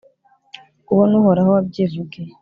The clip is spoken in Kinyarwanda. uwo ni uhoraho wabyivugiye.